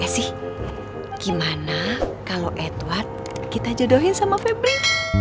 gimana kalau edward kita jodohin sama febri